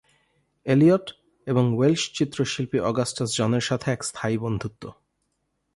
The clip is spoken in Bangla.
এলিয়ট, এবং ওয়েলশ চিত্রশিল্পী অগাস্টাস জনের সাথে এক স্থায়ী বন্ধুত্ব।